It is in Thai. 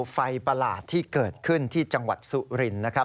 ประหลาดที่เกิดขึ้นที่จังหวัดสุรินนะครับ